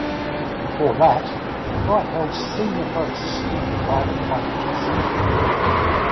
Before that, Wright held senior posts in the private financial sector.